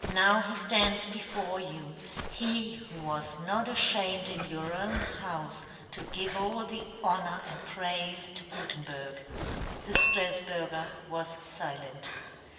" Now he ftands before you, he who " was not afhamed in your own " houfe to give all the honour and " praife to Gutenberg." The Straf burger was filent.